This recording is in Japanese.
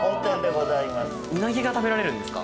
うなぎが食べられるんですか？